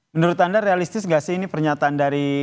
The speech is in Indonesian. menurut anda realistis gak sih ini pernyataan dari